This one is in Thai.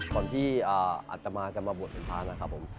ก่อนที่อัตมาจะมาบวชเป็นพระนะครับผม